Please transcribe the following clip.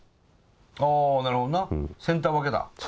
あなるほどなセンター分けだ。